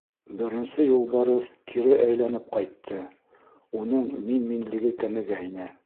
Беренсе Юлбарыҫ кире әйләнеп ҡайтты, уның мин-минлеге кәмегәйне.